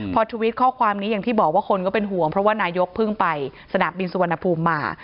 พอทวิตข้อความนี้อย่างที่บอกว่าคนก็เป็นห่วงเพราะว่านายกเพิ่งไปสนามบินสุวรรณภูมิมา